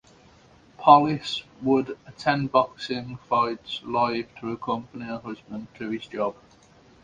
Polis would attend boxing fights live to accompany her husband to his job.